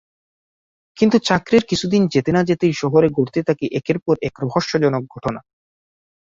কিন্তু চাকরির কিছুদিন যেতে না যেতেই শহরে ঘটতে থাকে একের পর এক রহস্যজনক ঘটনা।